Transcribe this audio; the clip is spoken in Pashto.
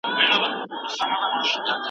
زما د زړه پشکال مست شو